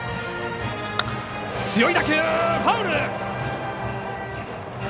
強い打球、ファウル。